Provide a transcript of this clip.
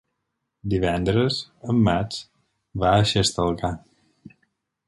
Divendres en Max va a Xestalgar.